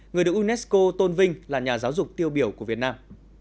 người được unesco tôn vinh là nhà giáo dục tiêu biểu của việt nam